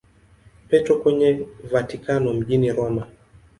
Petro kwenye Vatikano mjini Roma.